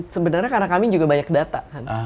sebenarnya karena kami juga banyak data kan